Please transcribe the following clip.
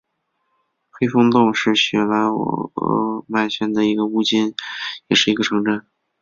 黑风洞是雪兰莪鹅唛县的一个巫金也是一个城镇。